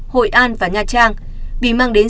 hội an và nha trang vì mang đến